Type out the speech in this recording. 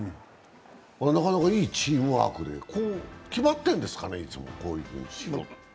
なかなかいいチームワークで、決まってるんですかね、いつもこうしようと。